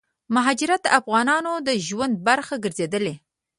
مهاجرت دافغانانو دژوند برخه ګرځيدلې